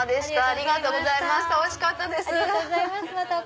ありがとうございます。